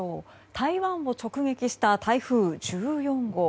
台湾を直撃した台風１４号。